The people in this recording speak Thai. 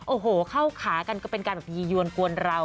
โอ้โหเข้าขากันก็เป็นการแบบยียวนกวนเรา